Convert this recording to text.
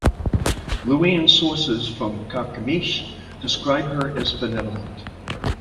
Luwian sources from Carchemish describe her as benevolent.